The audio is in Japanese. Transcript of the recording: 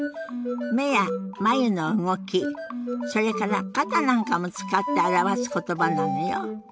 目や眉の動きそれから肩なんかも使って表す言葉なのよ。